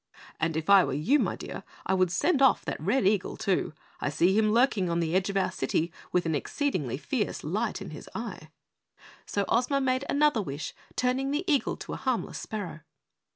"And if I were you, my dear, I would send off that red eagle too. I see him lurking on the edge of our city with an exceedingly fierce light in his eye." So Ozma made another wish, turning the eagle to a harmless sparrow.